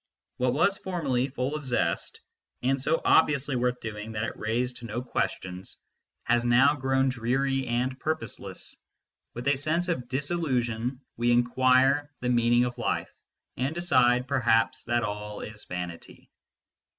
What was formerly full of zest, and so obviously worth doing that it raised 3* MYSTICISM AND LOGIC no questions, has now grown dreary and purposeless : with a sense of disillusion we inquire the meaning of life, and decide, perhaps, that all is vanity.